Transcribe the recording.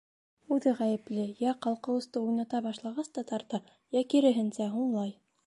Үҙе ғәйепле: йә ҡалҡыуысты уйната башлағас та тарта, йә, киреһенсә, һуңлай.